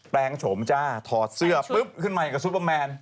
แปลงโฉมจ้าถอดเสื้อปุ๊บขึ้นมาอย่างกับซุปเปอร์แมน